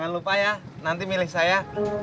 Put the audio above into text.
jangan lupa ya nanti milih saya